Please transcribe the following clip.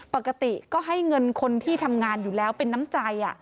ปกติก็ให้เงินคนที่ทำงานอยู่แล้วเป็นน้ำใจ